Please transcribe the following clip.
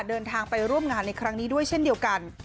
เดินทางไปร่วมงานในครั้งนี้ด้วยเช่นเดียวกัน